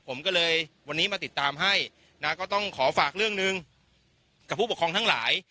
ผมก็เลยวันนี้มาติดตามให้นะก็ต้องขอฝากเรื่องหนึ่งกับผู้ปกครองทั้งหลาย